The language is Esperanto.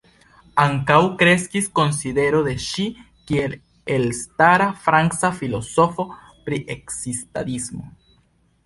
Ankaŭ kreskis konsidero de ŝi kiel elstara franca filozofo pri ekzistadismo.